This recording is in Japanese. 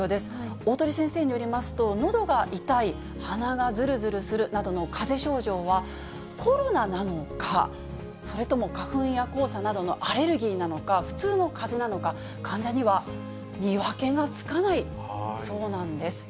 鴻先生によりますと、のどが痛い、鼻がずるずるするなどのかぜ症状は、コロナなのか、それとも花粉や黄砂などのアレルギーなのか、普通のかぜなのか、患者には見分けがつかないそうなんです。